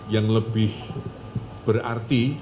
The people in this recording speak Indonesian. yang lebih berarti